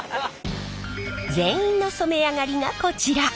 全員の染め上がりがこちら。